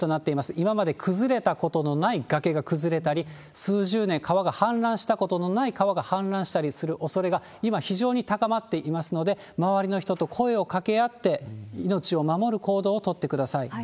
今まで崩れたことのない崖が崩れたり、数十年川が氾濫したことのない川が氾濫したりするおそれが今、非常に高まっていますので、周りの人と声をかけ合って、命を守る行動を取ってください。